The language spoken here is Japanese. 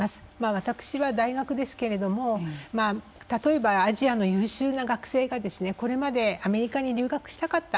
私は大学ですけども例えば、アジアの優秀な学生がこれまでアメリカに留学したかった。